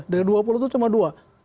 dari dua puluh itu cuma dua